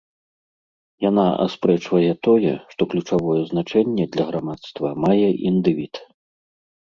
Яна аспрэчвае тое, што ключавое значэнне для грамадства мае індывід.